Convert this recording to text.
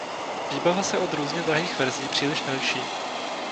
Výbava se od různě drahých verzí příliš neliší.